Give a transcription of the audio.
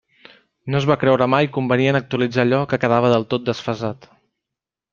No es va creure mai convenient actualitzar allò que quedava del tot desfasat.